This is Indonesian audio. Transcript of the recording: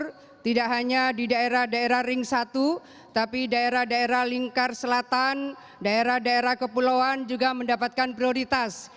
air tidak hanya di daerah daerah ring satu tapi daerah daerah lingkar selatan daerah daerah kepulauan juga mendapatkan prioritas